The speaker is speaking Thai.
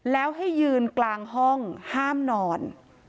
แล้วให้ยืนกลางห้องห้ามนอน